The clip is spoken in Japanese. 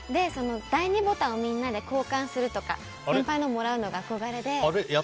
第２ボタンをみんなで交換するとか先輩のをもらうのが憧れで。